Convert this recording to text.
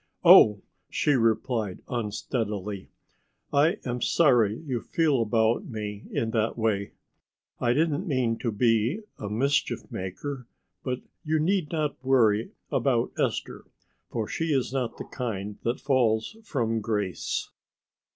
"Oh," she replied unsteadily. "I am sorry you feel about me in that way. I didn't mean to be a mischief maker, but you need not worry about Esther, for she is not the kind that falls from grace."